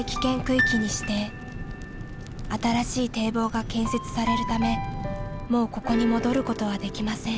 新しい堤防が建設されるためもうここに戻ることはできません。